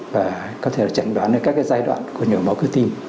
và có thể là chẩn đoán được các cái giai đoạn của nửa máu cơ tim